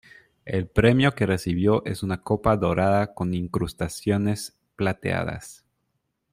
El premio que recibió es una copa dorada con incrustaciones plateadas.